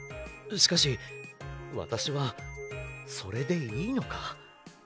しかしわたしはそれでいいのか？